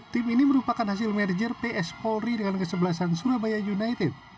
tim ini merupakan hasil merger ps polri dengan kesebelasan surabaya united